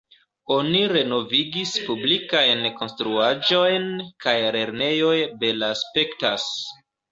Oni renovigis publikajn konstruaĵojn kaj lernejoj belaspektas.